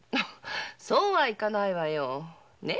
そうはいかないわよねえ